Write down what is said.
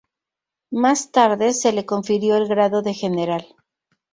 Más tarde se le confirió el grado de general.